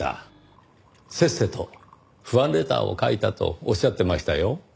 せっせとファンレターを書いたとおっしゃってましたよ。